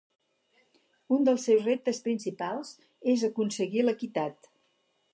Un dels seus reptes principals és aconseguir l'equitat.